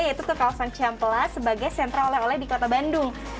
yaitu ke kawasan cihamplas sebagai sentra oleh oleh di kota bandung